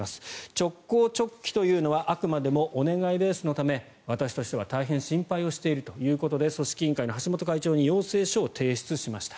直行直帰というのはあくまでもお願いベースのため私としては大変心配しているということで組織委員会の橋本会長に要請書を提出しました。